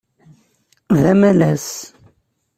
D amalas.